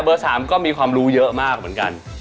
๓ก็มีความรู้เยอะมากเหมือนกัน